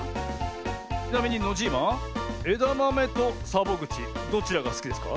ちなみにノジーマえだまめとサボぐちどちらがすきですか？